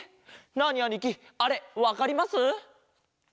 ナーニあにきあれわかります？